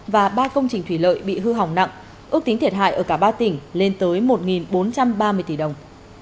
và ba công trình thủy lợi bị hư hỏng nặng ước tính thiệt hại ở cả ba tỉnh lên tới một bốn trăm ba mươi tỷ đồng